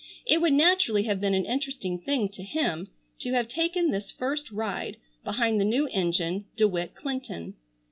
It would naturally have been an interesting thing to him to have taken this first ride behind the new engine "Dewitt Clinton."